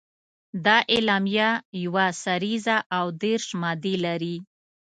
دا اعلامیه یوه سريزه او دېرش مادې لري.